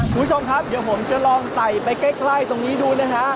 คุณผู้ชมครับเดี๋ยวผมจะลองใส่ไปใกล้ตรงนี้ดูนะฮะ